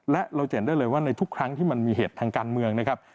และเราจะเห็นได้เลยว่าในทุกครั้งที่มันมีเหตุทางการเมืองนะครับ